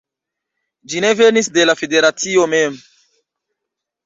Ĝi ne venis de la federacio mem